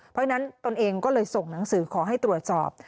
เพราะฉะนั้นตนเองก็เลยส่งหนังสือขอให้ตรวจสอบ